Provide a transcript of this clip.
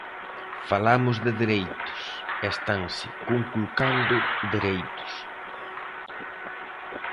Falamos de dereitos, e estanse conculcando dereitos.